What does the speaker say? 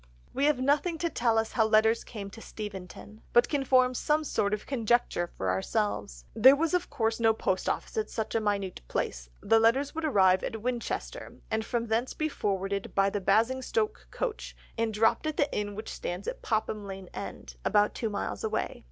We have nothing to tell us how letters came to Steventon, but can form some sort of conjecture for ourselves. There was of course no post office in such a minute place; the letters would arrive at Winchester, and from thence be forwarded by the Basingstoke coach, and dropped at the inn which stands at Popham Lane End, about two miles away.